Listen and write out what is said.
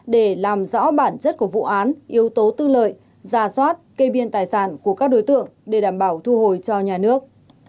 để làm rõ bản chất của vụ án yếu tố tư lợi ra soát kê biên tài sản của các đối tượng để đảm bảo thu hồi cho nhà nước